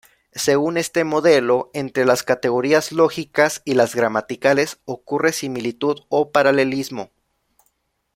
Según este modelo, entre las categorías lógicas y las gramaticales ocurre similitud o paralelismo.